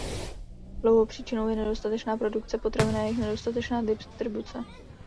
Druhou příčinou je nedostatečná produkce potravin a jejich nedostatečná distribuce.